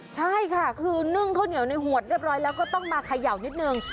ใช่ค่ะคือนึ่งข้าวเหนียวในหัวโดยแล้วก็ต้องมาขยาวนิดหนึ่ง